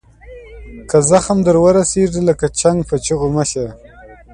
که زخم در ورسیږي لکه چنګ په چیغو مه شه.